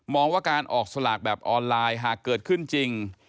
ว่าการออกสลากแบบออนไลน์หากเกิดขึ้นจริง